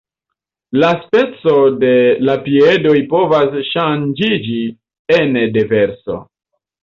La speco de la piedoj povas ŝanĝiĝi ene de verso.